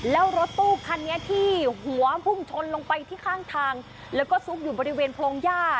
แล้วรถตู้คันนี้ที่หัวพุ่งชนลงไปที่ข้างทางแล้วก็ซุกอยู่บริเวณโพรงย่า